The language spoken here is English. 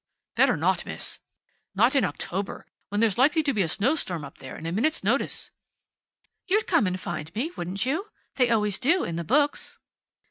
"Better not, Miss. Not in October, when there's likely to be a snowstorm up there in a minute's notice." "You'd come and find me, wouldn't you? They always do, in the books."